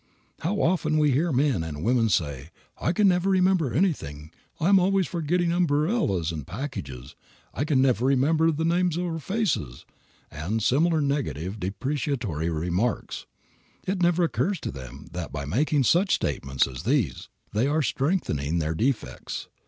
How often we hear men and women say: "I never can remember anything. I am always forgetting umbrellas and packages. I never can remember names or faces," and similar negative, depreciatory remarks. It never occurs to them that by making such statements as these they are strengthening their defects.